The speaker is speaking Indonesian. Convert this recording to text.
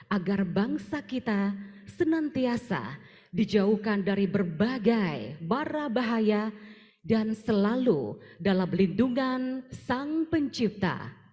agar bangsa kita senantiasa dijauhkan dari berbagai warna bahaya dan selalu dalam lindungan sang pencipta